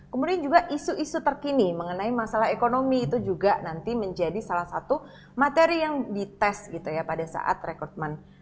kemudian juga isu isu terkini mengenai masalah ekonomi itu juga nanti menjadi salah satu materi yang dites gitu ya pada saat rekrutmen